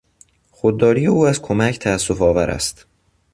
خودداری او از کمک تاسفآور است.